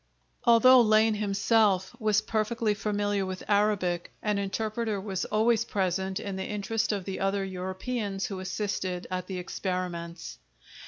Although Lane himself was perfectly familiar with Arabic, an interpreter was always present in the interest of the other Europeans who assisted at the experiments.